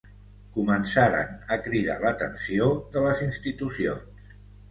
Començaren a cridar l’atenció de les institucions.